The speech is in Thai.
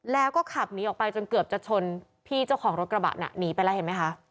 แล้วก็ขับหนีออกไปจนเกือบจะชนพี่เจ้าของรถกระบะน่ะหนีไปแล้วเห็นไหมคะ